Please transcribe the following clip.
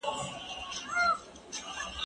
زه درسونه نه اورم؟